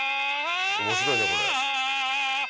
面白いねこれ。